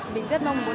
mình rất mong muốn